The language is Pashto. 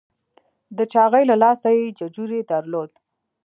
د چاغي له لاسه یې ججوری درلود.